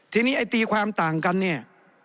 ทีนี้ไอ้ตีความต่างกันเนี่ย